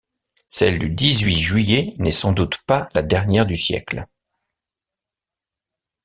Celle du dix-huit juillet n’est sans doute pas la dernière du siècle!